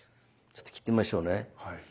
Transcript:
ちょっと切ってみましょうね。